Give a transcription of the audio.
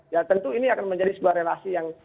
ya tentu ini akan menjadi sebuah relasi yang